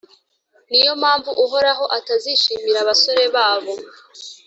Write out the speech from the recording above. Ni yo mpamvu, Uhoraho atazishimira abasore babo,